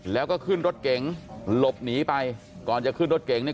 แล้วก็ขึ้นรถเก๋งหลบหนีไปก่อนจะขึ้นรถเก่งเนี่ย